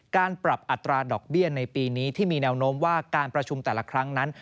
การปรับอัตราดอกเบี้ยในปีนี้ที่มีแนวโน้มว่าการประชุมแต่ละครั้งนั้น